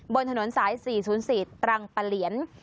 บนถนนสาย๔๐๔ตรังปะเหลียน